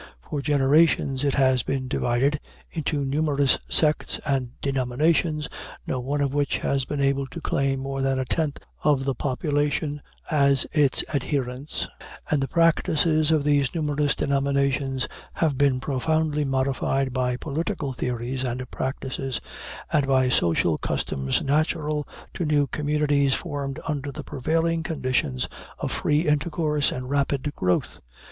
For generations it has been divided into numerous sects and denominations, no one of which has been able to claim more than a tenth of the population as its adherents; and the practices of these numerous denominations have been profoundly modified by political theories and practices, and by social customs natural to new communities formed under the prevailing conditions of free intercourse and rapid growth.